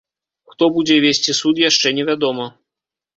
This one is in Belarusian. Хто будзе весці суд, яшчэ невядома.